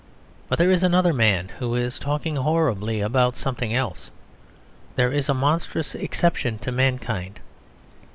But there is another man who is talking horribly about something else. There is a monstrous exception to mankind.